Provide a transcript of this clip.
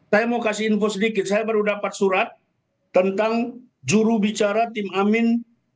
saya mau kasih info sedikit saya baru dapat surat tentang jurubicara tim amin